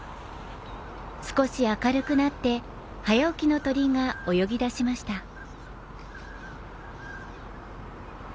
少し明るくなって、早起きの鳥が泳ぎ出しました。